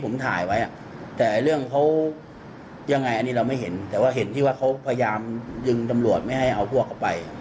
คือว่าเขาพยายามยึงตำรวจไม่ให้เอาพวกเข้าไป